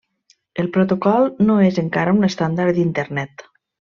El protocol no és encara un estàndard d'Internet.